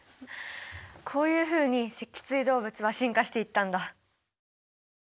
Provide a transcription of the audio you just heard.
こういうふうに脊椎動物は進化していったんだ。